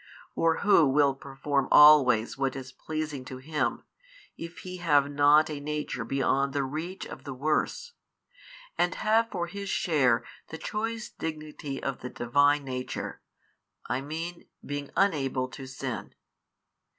or who will perform always what is pleasing to Him, if he have not a nature beyond the reach of the worse, and have for his share the choice Dignity of the Divine Nature, I mean being unable to sin?